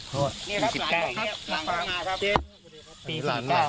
ปี๔๙